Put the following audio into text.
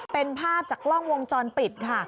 เป็นภาพจากกล้องวงจรปิดค่ะ